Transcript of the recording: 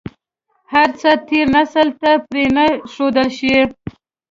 هر څه تېر نسل ته پرې نه ښودل شي.